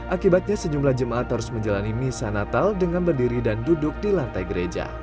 akibatnya sejumlah jemaat harus menjalani misa natal dengan berdiri dan duduk di lantai gereja